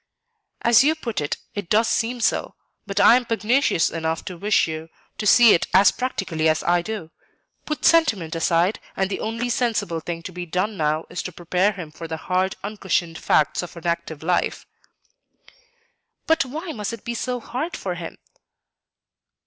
"As you put it, it does seem so; but I am pugnacious enough to wish you to see it as practically as I do. Put sentiment aside, and the only sensible thing to be done now is to prepare him for the hard, uncushioned facts of an active life." "But why must it be so hard for him?"